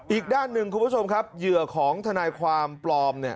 อีกด้านหนึ่งคุณผู้ชมครับเหยื่อของทนายความปลอม